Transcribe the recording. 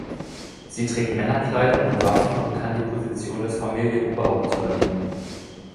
Sie trägt Männerkleidung und Waffen und kann die Position des Familienoberhaupts übernehmen.